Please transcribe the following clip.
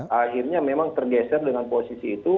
dan akhirnya memang tergeser dengan posisi itu